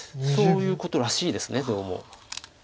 そういうことらしいですどうも。